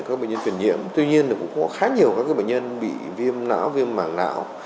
có bệnh nhân phiền nhiễm tuy nhiên cũng có khá nhiều bệnh nhân bị viêm não viêm mảng não